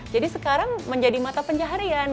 jadi sekarang menjadi mata pencaharian